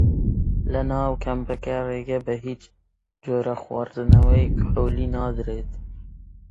لە ناو کەمپەکە ڕێگە بە هیچ جۆرە خواردنەوەی کحوولی نادرێت.